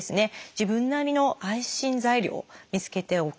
自分なりの安心材料を見つけておく。